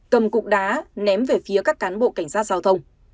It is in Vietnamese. cầm cục đá ném về phía các cán bộ cảnh sát giao thông